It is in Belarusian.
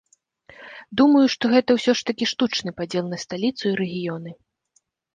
Думаю, што гэта ўсё ж такі штучны падзел на сталіцу і рэгіёны.